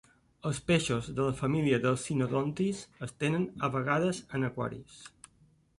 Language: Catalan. Els peixos de la família dels Synodontis es tenen a vegades en aquaris.